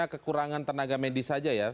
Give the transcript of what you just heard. kekurangan tenaga medis saja ya